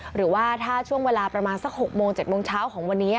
หรือว่าถ้าช่วงเวลาประมาณสัก๖โมง๗โมงเช้าของวันนี้